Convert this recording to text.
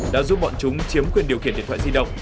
đã giúp bọn chúng chiếm quyền điều khiển điện thoại di động